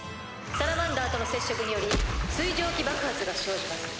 サラマンダーとの接触により水蒸気爆発が生じます。